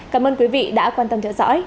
cảm ơn quý vị đã quan tâm theo dõi